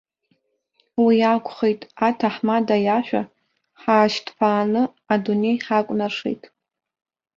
Уи акәхеит, аҭаҳмада иашәа ҳаашьҭԥааны адунеи ҳакәнаршеит.